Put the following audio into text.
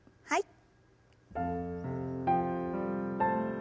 はい。